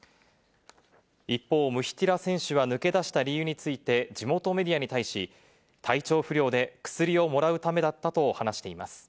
一方、ムヒティラ選手は抜け出した理由について、地元メディアに対し、体調不良で薬をもらうためだったと話しています。